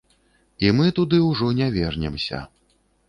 І мы туды ўжо не вернемся.